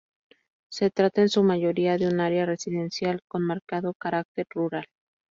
Se trata en su mayoría de un área residencial con marcado carácter rural.